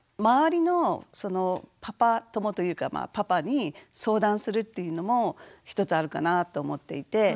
周りのパパ友というかパパに相談するっていうのも一つあるかなと思っていて。